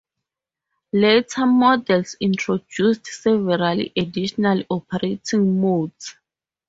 Later models introduced several additional operating modes.